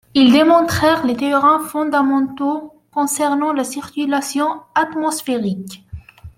Ils démontrèrent les théorèmes fondamentaux concernant la circulation atmosphérique.